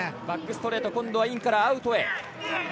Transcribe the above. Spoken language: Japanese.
バックストレート、今度はインからアウトへ。